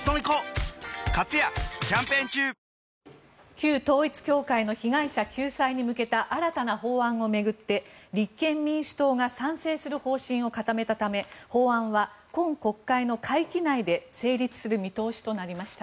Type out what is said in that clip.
旧統一教会の被害者救済に向けた新たな法案を巡って立憲民主党が賛成する方針を固めたため法案は今国会の会期内で成立する見通しとなりました。